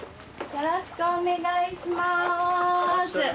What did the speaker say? よろしくお願いします。